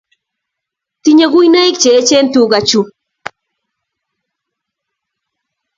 Tinyei kuinoik che echen tuga chu